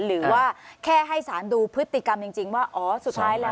หรือว่าแค่ให้สารดูพฤติกรรมจริงว่าอ๋อสุดท้ายแล้ว